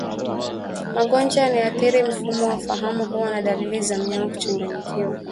Magonjwa yanayoathiri mfumo wa fahamu huwa na dalili za mnyama kuchanganyikiwa